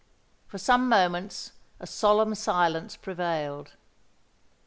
For some moments a solemn silence prevailed.